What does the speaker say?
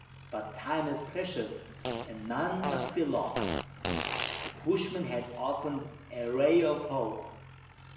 But time is precious, and none must be lost." The bushman had opened a ray of hope.